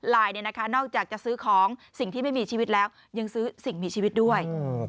นอกจากจะซื้อของสิ่งที่ไม่มีชีวิตแล้วยังซื้อสิ่งมีชีวิตด้วย